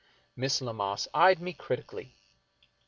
Miss Lammas eyed me critically.